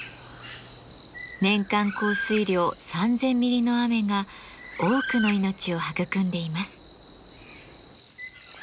年間降水量３，０００ミリの雨が多くの命を育んでいます。